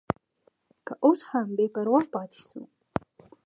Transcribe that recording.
که اوس هم بې پروا پاتې شو.